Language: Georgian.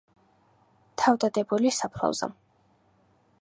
თავდადებული საფლავსა